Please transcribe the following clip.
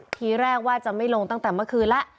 ทีแรกว่าจะไม่ลงตั้งแต่เมื่อคืนแล้ว